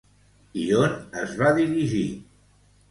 I on es va dirigir?